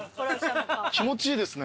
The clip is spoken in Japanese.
気持ちいいですね。